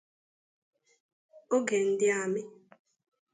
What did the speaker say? oge ndị Amị